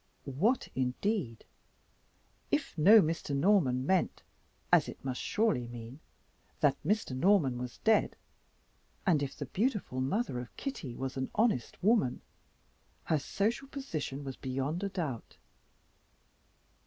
What else, indeed! If "no Mr. Norman" meant (as it must surely mean) that Mr. Norman was dead, and if the beautiful mother of Kitty was an honest woman, her social position was beyond a doubt.